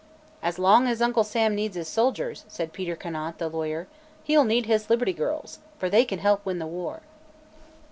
"As long as Uncle Sam needs his soldiers," said Peter Conant, the lawyer, "he'll need his Liberty Girls, for they can help win the war."